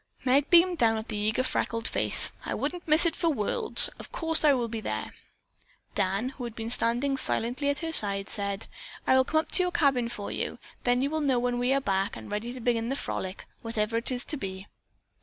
Meg beamed down at the eager freckled face. "I wouldn't miss it for worlds. Of course I will be there." Dan, who had been standing silently at her side said: "I will come up to your cabin for you. Then you will know when we are back and ready to begin the frolic, whatever it is to be."